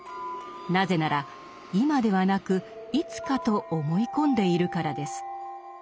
なぜなら「今ではなくいつか」と思い込んでいるからです。